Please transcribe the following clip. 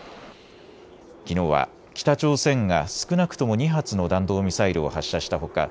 きのうは北朝鮮が少なくとも２発の弾道ミサイルを発射したほか